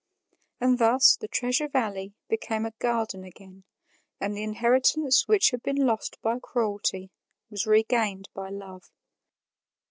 And thus the Treasure Valley became a garden again, and the inheritance which had been lost by cruelty was regained by love.